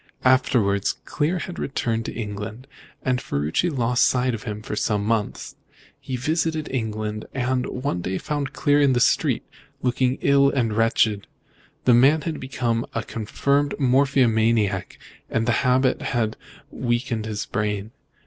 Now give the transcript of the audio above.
Afterwards, Clear had returned to England, and Ferruci lost sight of him for some months. Then he visited England, and one day found Clear in the street, looking ill and wretched. The man had become a confirmed morphiamaniac, and the habit had weakened his brain.